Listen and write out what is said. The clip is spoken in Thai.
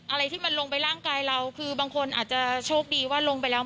อะไรที่มันลงไปร่างกายเราคือบางคนอาจจะโชคดีว่าลงไปแล้ว